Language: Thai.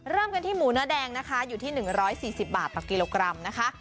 เริ่มกันที่หมูเนื้อแดงนะคะอยู่ที่๑๔๐บาทต่อกิโลกรัมนะคะ